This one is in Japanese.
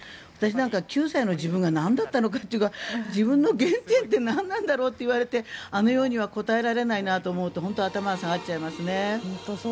私なんかは９歳の自分がなんだったのかというか自分の原点ってなんなんだろうってあのようには答えられないなと思うと本当に頭が下がっちゃいますね。